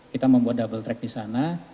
kita membuat double track di sana